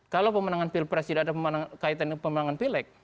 kalau pemenangan pilpres tidak ada kaitan dengan pemenangan pileg